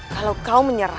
kalau kau menyerah